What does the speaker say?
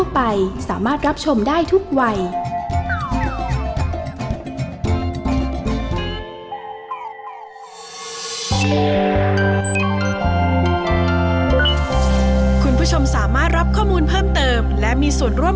คุณล่ะโหลดกันหรือยัง